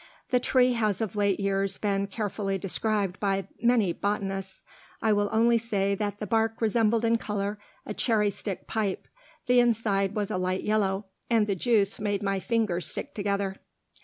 The tree has of late years been carefully described by many botanists; I will only say that the bark resembled in color a cherry stick pipe, the inside was a light yellow, and the juice made my fingers stick together.